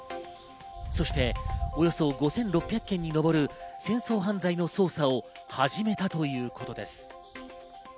そしておよそ５６００件に上る戦争犯罪の捜査を始めたということです。